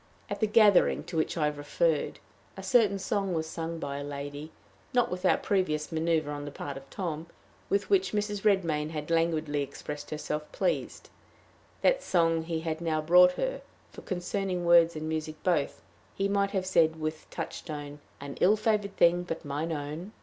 At the gathering to which I have referred, a certain song was sung by a lady, not without previous manoeuvre on the part of Tom, with which Mrs. Redmain had languidly expressed herself pleased; that song he had now brought her for, concerning words and music both, he might have said with Touchstone, "An ill favored thing, but mine own."